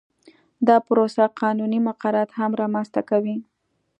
دا پروسه قانوني مقررات هم رامنځته کوي